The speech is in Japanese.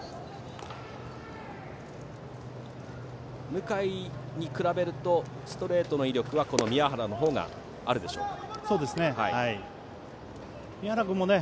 向井に比べるとストレートの威力は宮原のほうがあるでしょうか。